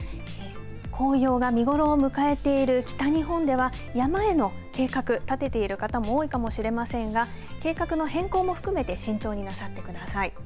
紅葉が見頃を迎えている北日本では山への計画立てている方も多いかもしれませんが計画の変更も含めて慎重になさってください。